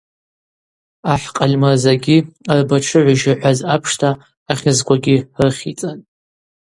Ахӏ Къальмырзагьи арбатшыгӏв йшихӏваз апшта ахьызквагьи рыхьицӏатӏ.